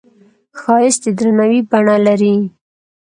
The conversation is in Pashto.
ښایست د درناوي بڼه لري